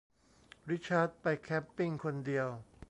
ริชาร์ดไปแคมป์ปิ้งคนเดียว